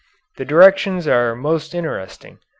The directions are most interesting.